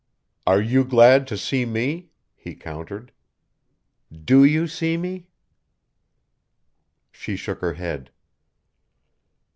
"Are you glad to see me?" he countered. "Do you see me?" She shook her head.